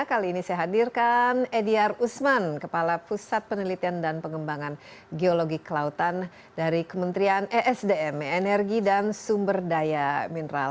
kali ini saya hadirkan ediar usman kepala pusat penelitian dan pengembangan geologi kelautan dari kementerian esdm energi dan sumber daya mineral